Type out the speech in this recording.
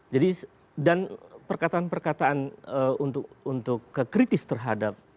jadi dan perkataan perkataan untuk kekritis terhadap